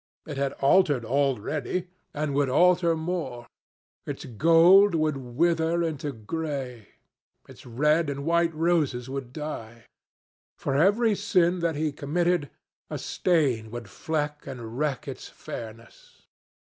It had altered already, and would alter more. Its gold would wither into grey. Its red and white roses would die. For every sin that he committed, a stain would fleck and wreck its fairness.